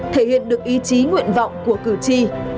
thể hiện được ý chí nguyện vọng của cử tri